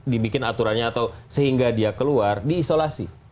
dibikin aturannya atau sehingga dia keluar diisolasi